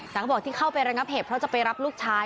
แต่ก็บอกที่เข้าไประงับเหตุเพราะจะไปรับลูกชาย